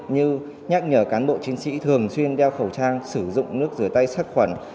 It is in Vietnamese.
như nhắc nhở cán bộ chiến sĩ thường xuyên đeo khẩu trang sử dụng nước rửa tay sát khuẩn